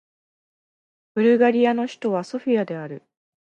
ブルガリアの首都はソフィアである